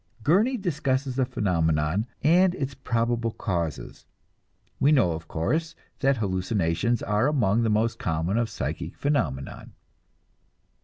Gurney discusses the phenomenon and its probable causes. We know, of course, that hallucinations are among the most common of psychic phenomenon.